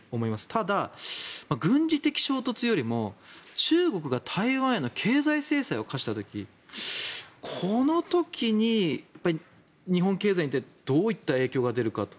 ただ、軍事的衝突よりも中国が台湾への経済制裁を科した時この時に日本経済にどういった影響が出るかと。